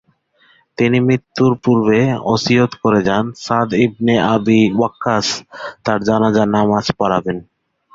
তিনি মৃত্যুর পূর্বে অসিয়ত করে যান, সাদ ইবনে আবি ওয়াক্কাস তার জানাযার নামায পড়াবেন।